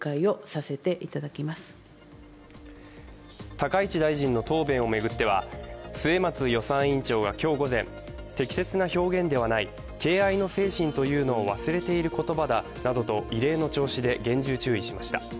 高市大臣の答弁を巡っては末松予算委員長が今日午前、適切な表現ではない敬愛の精神というのを忘れている言葉だなどと異例の調子で厳重注意しました。